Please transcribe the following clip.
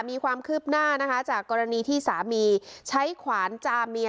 มีความคืบหน้านะคะจากกรณีที่สามีใช้ขวานจามเมีย